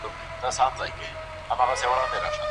خلګ د خپل چلند مسؤل دي.